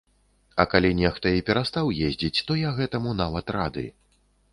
А калі нехта і перастаў ездзіць, то я гэтаму нават рады.